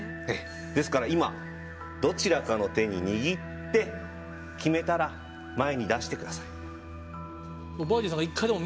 ですから今どちらかの手に握って決めたら、前に出してください。